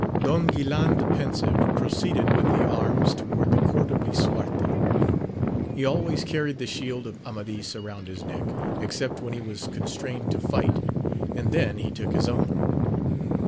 ON GUILAN the Pensive proceeded with the arms toward the court of Lisuarte. He always carried the shield of Amadis round his neck, except when he was constrained to fight, and then he took his own.